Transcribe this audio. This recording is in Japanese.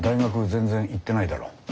全然行ってないだろ。